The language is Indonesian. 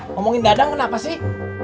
ngomongin dadang kenapa sih